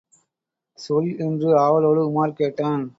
சொல் என்று ஆவலோடு உமார் கேட்டான்.